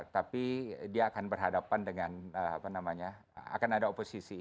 tapi dia akan berhadapan dengan apa namanya akan ada oposisi